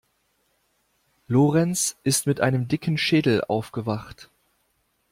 Lorenz ist mit einem dicken Schädel aufgewacht.